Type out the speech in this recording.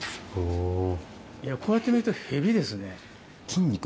こうやって見るとヘビですね。